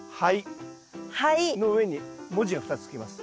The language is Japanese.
灰の上に文字が２つつきます。